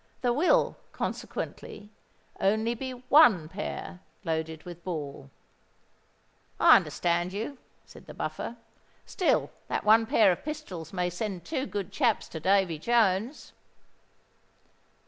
There will, consequently, only be one pair loaded with ball." "I understand you," said the Buffer. "Still that one pair of pistols may send two good chaps to Davy Jones."